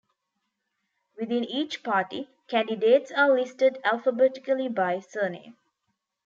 Within each party, candidates are listed alphabetically by surname.